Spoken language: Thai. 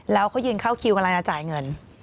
แล้วเขายืนเข้าคิวกำลังจะจ่ายเงิน